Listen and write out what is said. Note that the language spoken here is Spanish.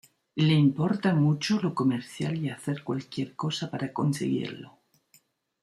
Le importa mucho lo comercial y hace cualquier cosa para conseguirlo.